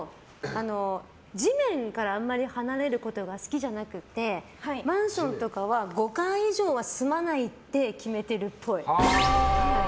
地面からあんまり離れることが好きじゃなくてマンションとかは５階以上は住まないって決めてるっぽい。